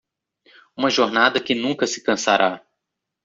uma jornada que nunca se cansará